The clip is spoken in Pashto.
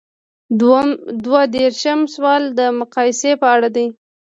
دوه دیرشم سوال د مقایسې په اړه دی.